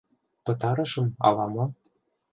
— Пытарышым ала-мо...